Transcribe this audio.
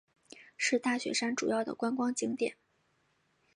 是大雪山主要的观光景点。